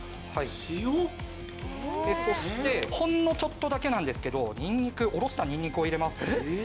そしてほんのちょっとだけなんですけどおろしたニンニクを入れます。